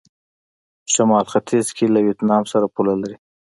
شمال ختيځ کې له ویتنام سره پوله لري.